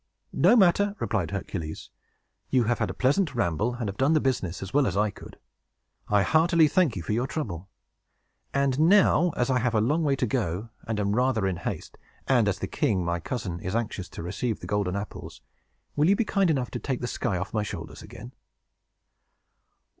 "No matter," replied Hercules. "You have had a pleasant ramble, and have done the business as well as I could. I heartily thank you for your trouble. And now, as I have a long way to go, and am rather in haste, and as the king, my cousin, is anxious to receive the golden apples, will you be kind enough to take the sky off my shoulders again?"